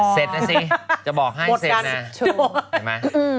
เสร็จน่ะสิจะบอกให้เสร็จนะ